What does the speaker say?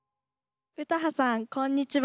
・詩羽さんこんにちは。